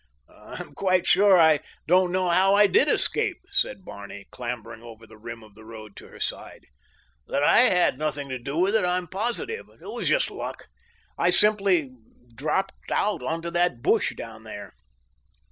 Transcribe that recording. "I'm quite sure I don't know how I did escape," said Barney, clambering over the rim of the road to her side. "That I had nothing to do with it I am positive. It was just luck. I simply dropped out onto that bush down there."